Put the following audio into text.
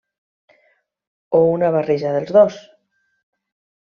O una barreja dels dos?